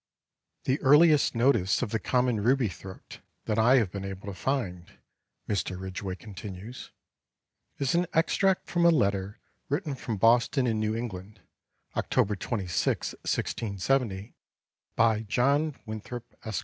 "The earliest notice of the common Ruby throat that I have been able to find," Mr. Ridgway continues, "is an extract from a letter written from Boston in New England, October 26, 1670, by John Winthrop, Esq.